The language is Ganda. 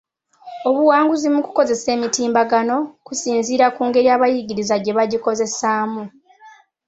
Obuwanguzi mu kukozesa emitimbagano kusinziira ku ngeri abayigiriza gye bagikozesaamu.